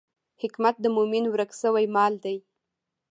حکمت د مومن ورک شوی مال دی.